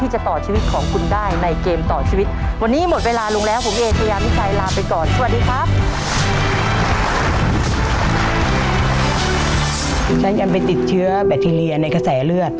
ฉันยังไปติดเชื้อแบคทีเรียในกระแสเลือด